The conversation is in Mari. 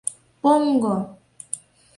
Поҥго!